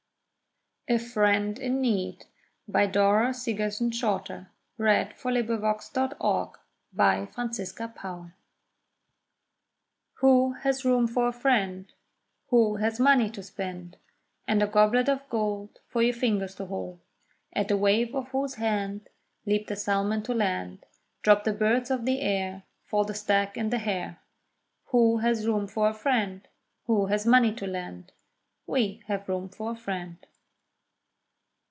The painted lips they smiled at me— "O guard my love, where'er he be." A FRIEND IN NEED Who has room for a friend Who has money to spend, And a goblet of gold For your fingers to hold, At the wave of whose hand Leap the salmon to land, Drop the birds of the air, Fall the stag and the hare. Who has room for a friend Who has money to lend? We have room for a friend!